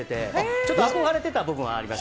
ちょっと憧れてた部分があります。